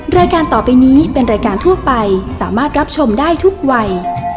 รายการต่อไปนี้เป็นรายการทั่วไปสามารถรับชมได้ทุกวัย